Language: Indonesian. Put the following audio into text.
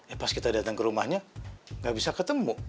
eh pas kita datang ke rumahnya nggak bisa ketemu